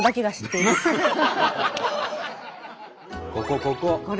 ここここ！